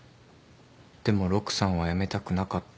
でも陸さんはやめたくなかった。